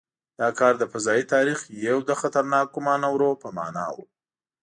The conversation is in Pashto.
دا کار د فضايي تاریخ یو له خطرناکو مانورونو په معنا و.